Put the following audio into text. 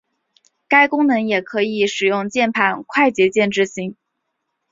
该功能也可以使用键盘快捷键执行。